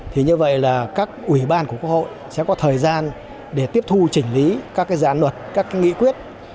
thì như vậy là các ủy ban của quốc hội sẽ có thời gian để tiếp thu chỉnh lý các gián luật các nghị quyết